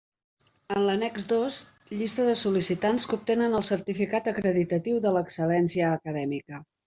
En l'annex dos, llista de sol·licitants que obtenen certificat acreditatiu de l'excel·lència acadèmica.